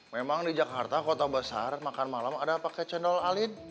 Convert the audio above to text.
memang di jakarta kota besar makan malam ada pakai cendol alit